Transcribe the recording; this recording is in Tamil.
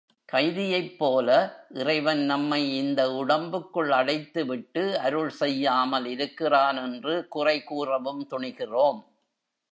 கைதியைப்போல, இறைவன் நம்மை இந்த உடம்புக்குள் அடைத்து விட்டு அருள் செய்யாமல் இருக்கிறான் என்று குறை கூறவும் துணிகிறோம்.